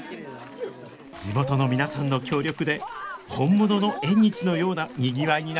地元の皆さんの協力で本物の縁日のようなにぎわいになりました